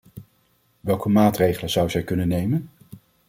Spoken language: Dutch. Welke maatregelen zou zij kunnen nemen?